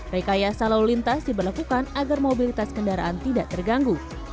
rekayasa lalu lintas diberlakukan agar mobilitas kendaraan tidak terganggu